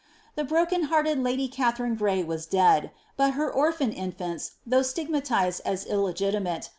The broken hearted lady Katharine Gray was dead, but her orphan infants, though stigmatized as illegiti icate.